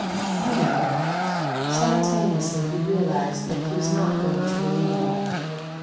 "You know!" Simultaneously he realized that he was not going to reunion.